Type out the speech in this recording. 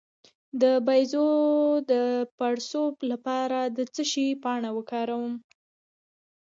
د بیضو د پړسوب لپاره د څه شي پاڼه وکاروم؟